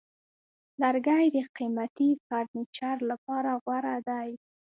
لرګی د قیمتي فرنیچر لپاره غوره دی.